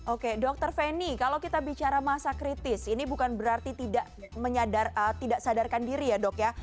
oke dokter feni kalau kita bicara masa kritis ini bukan berarti tidak sadarkan diri ya dok ya